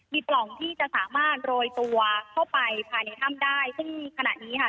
มีปล่องที่จะสามารถโรยตัวเข้าไปภายในถ้ำได้ซึ่งขณะนี้ค่ะ